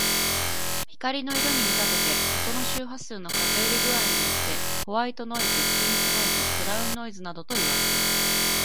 光の色に見立てて、音の周波数の偏り具合によってホワイトノイズ、ピンクノイズ、ブラウンノイズなどといわれる。